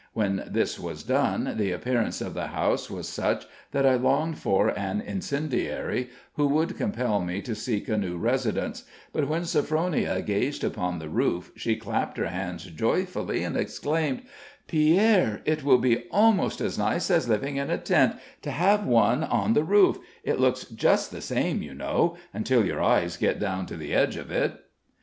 When this was done the appearance of the house was such that I longed for an incendiary who would compel me to seek a new residence; but when Sophronia gazed upon the roof she clapped her hands joyfully, and exclaimed: "Pierre, it will be almost as nice as living in a tent, to have one on the roof; it looks just the same, you know, until your eyes get down to the edge of it."